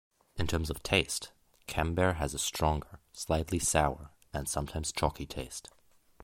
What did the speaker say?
In terms of taste, camembert has a stronger, slightly sour, and sometimes chalky taste.